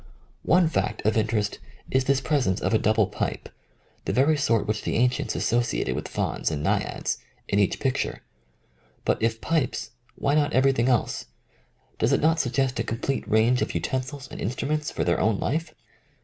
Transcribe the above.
One fact of interest is this presence of a double pipe — the very sort which the an cients associated with fauns and naiads — in each picture. But if pipes, why not every thing else ? Does it not suggest a complete 54 THE FIRST PUBLISHED ACCOUNT range of utensils and instruments for their own life?